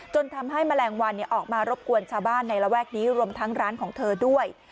จนทำให้แมลงวันออกมารบกวนชาวบ้านในระแวกนี้รวมทั้งร้านของเธอด้วย